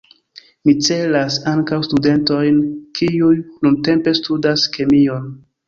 Mi celas ankaŭ studentojn kiuj nuntempe studas kemion.